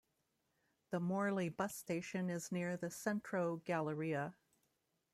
The Morley bus station is near the Centro Galleria.